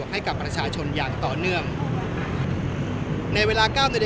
ไม่เข้าทราบทีไม่รอ